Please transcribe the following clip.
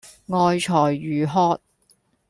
愛才如渴